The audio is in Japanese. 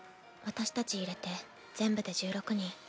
私たち入れて全部で１６人。